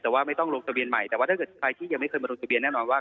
แต่ว่าไม่ต้องลงทะเบียนใหม่แต่ว่าถ้าเกิดใครที่ยังไม่เคยมาลงทะเบียนแน่นอนว่า